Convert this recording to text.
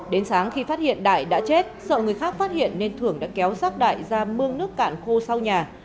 đến sáng khi phát hiện đại đã chết sợ người khác phát hiện nên thưởng đã kéo rác đại ra mương nước cạn khô sau nhà